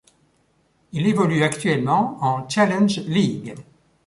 Il évolue actuellement en Challenge League.